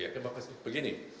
ya terima kasih